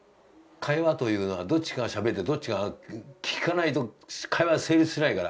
会話というのはどっちかがしゃべってどっちかが聞かないと会話が成立しないから。